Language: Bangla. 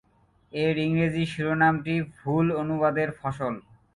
এর ইংরেজি শিরোনামটি ভুল অনুবাদের ফসল।